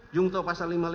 jungto pasal lima puluh lima